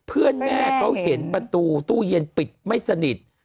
เพื่อนแม่เขาเห็นประตูตู้เย็นปิดไม่สนิท